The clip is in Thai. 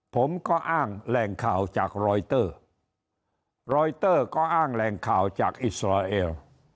ผมก็อ้างแหล่งข่าวจากรอยเตอร์รอยเตอร์ก็อ้างแหล่งข่าวจากอิสราเอล